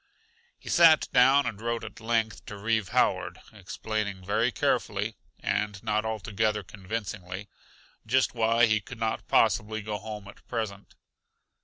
He sat down and wrote at length to Reeve Howard, explaining very carefully and not altogether convincingly just why he could not possibly go home at present.